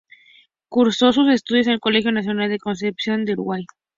Cursó sus estudios en el Colegio Nacional de Concepción del Uruguay.